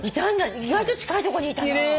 意外と近いとこにいたな。